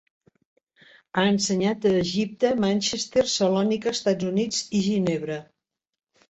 Ha ensenyat a Egipte, Manchester, Salònica, Estats Units i Ginebra.